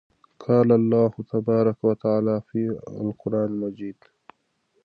قال الله تبارك وتعالى فى القران المجيد: